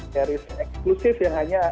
series eksklusif yang hanya